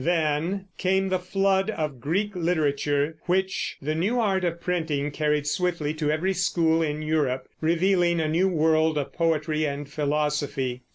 Then came the flood of Greek literature which the new art of printing carried swiftly to every school in Europe, revealing a new world of poetry and philosophy.